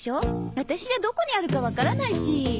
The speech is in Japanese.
ワタシじゃどこにあるかわからないし。